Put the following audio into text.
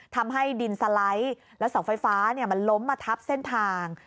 ทำให้ดินสไลด์และเสาไฟฟ้ามันล้มมาทับเส้นทาง